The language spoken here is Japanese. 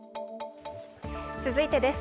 続いてです。